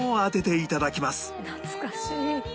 「懐かしい」